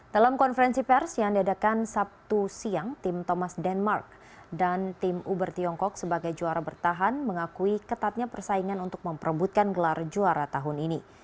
dalam konferensi pers yang diadakan sabtu siang tim thomas denmark dan tim uber tiongkok sebagai juara bertahan mengakui ketatnya persaingan untuk memperebutkan gelar juara tahun ini